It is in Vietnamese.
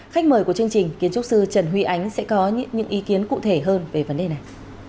khách mời của chương trình kiến trúc sư trần huy ánh sẽ có những ý kiến cụ thể hơn về vấn đề này